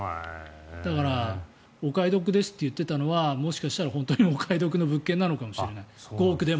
だから、お買い得ですと言っていたのはもしかしたら本当にお買い得の物件なのかもしれない。